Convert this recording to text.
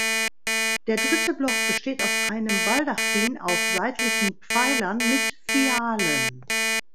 Der dritte Block besteht aus einem Baldachin auf seitlichen Pfeilern mit Fialen.